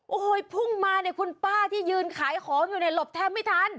โอ้โหพุ่งมาเนี่ยคุณป้าที่ยืนขายของอยู่เนี่ยหลบแทบไม่ทัน